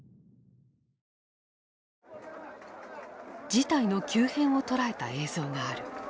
事態の急変を捉えた映像がある。